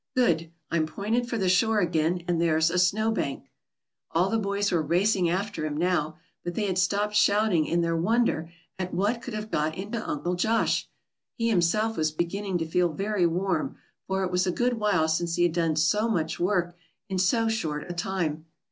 Good! I'm pointed for the shore again, and there's a snow bank." All the boys were racing after him now, but they had stopped shouting in their wonder at what could have got into Uncle Josh. He himself was beginning to feel very warm, for it was a good while since he had done so much work in so short a time.